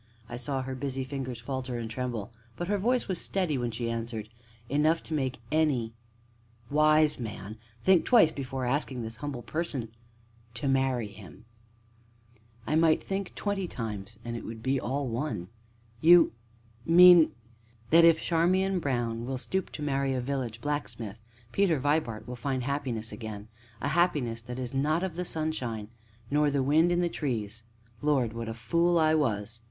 I saw her busy fingers falter and tremble, but her voice was steady when she answered: "Enough to make any wise man think twice before asking this Humble Person to to marry him." "I might think twenty times, and it would be all one!" "You mean ?" "That if Charmian Brown will stoop to marry a village blacksmith, Peter Vibart will find happiness again; a happiness that is not of the sunshine nor the wind in the trees Lord, what a fool I was!"